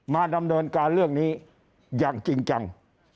มาดำเนินการเรื่องนี้อย่างจริงจัง